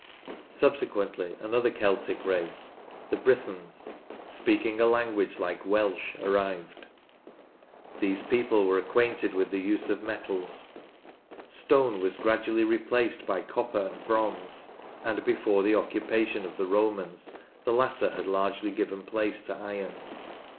Subsequently another Celtic race — the Brythons — speaking a language like Welsh arrived. These people were acquainted with the use of metals. 86 NORTH LANCASHIRE Stone was gradually replaced by copper and bronze, and before the occupation of the Romans the latter had largely given place to iron.